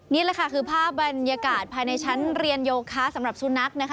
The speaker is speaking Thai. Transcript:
นี่แหละค่ะคือภาพบรรยากาศภายในชั้นเรียนโยคะสำหรับสุนัขนะคะ